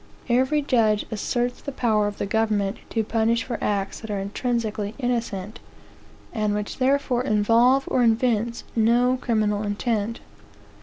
Every judge asserts the power of the government to punish for acts that are intrinsically innocent, and which therefore involve or evince no criminal intent.